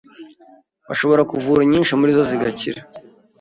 bashobora kuvura inyinshi muri zo kandi zigakira.